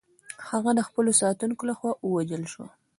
هغه د خپلو ساتونکو لخوا ووژل شوه.